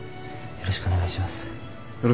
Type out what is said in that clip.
よろしくお願いします。